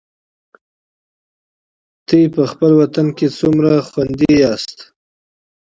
تاسو په خپل وطن کي څومره خوندي یاست؟